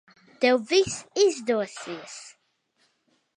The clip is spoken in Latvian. Tev viss izdosies.